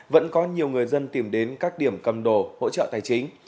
vẫn có nhiều người dân tìm đến các điểm cầm đồ hỗ trợ tài chính